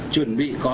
chuẩn bị có